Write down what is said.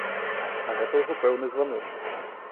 А гэта ўжо пэўны званочак.